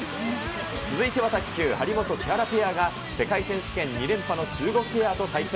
続いては卓球、張本・木原ペアが世界選手権２連覇の中国ペアと対戦。